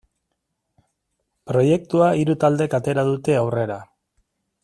Proiektua hiru taldek atera dute aurrera.